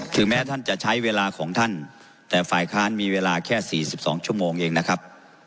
แม้ท่านจะใช้เวลาของท่านแต่ฝ่ายค้านมีเวลาแค่๔๒ชั่วโมงเองนะครับ